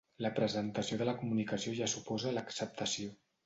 La presentació de la comunicació ja suposa l'acceptació.